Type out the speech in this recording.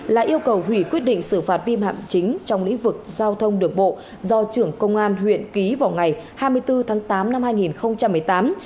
là yêu cầu hủy quyết định xử phạt vi phạm chính trong lĩnh vực giao thông đường bộ do trưởng công an huyện ký vào ngày hai mươi bốn tháng tám năm hai nghìn một mươi tám